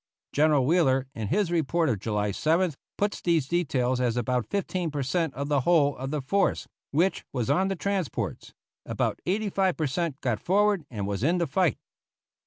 General Wheeler, in his report of July 7th, puts these details as about fifteen per cent of the whole of the force which was on the transports; about eighty five per cent got forward and was in the fight.